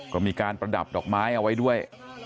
ก็มีการประดับดอกไม้เอาไว้ด้วย